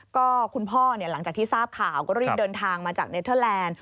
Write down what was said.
ก็คุณพ่อหลังจากที่ทราบข่าวก็รีบเดินทางมาจากเนเทอร์แลนด์